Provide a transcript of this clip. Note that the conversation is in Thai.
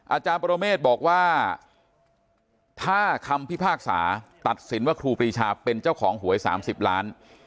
อาจารย์ปรเมฆบอกว่าถ้าคำพิพากษาตัดสินว่าครูปรีชาเป็นเจ้าของหวย๓๐ล้าน